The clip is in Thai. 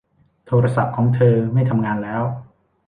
โทรศัพท์ของเธอไม่ทำงานแล้ว